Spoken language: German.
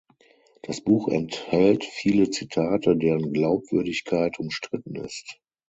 Das Buch enthält viele Zitate, deren Glaubwürdigkeit umstritten ist.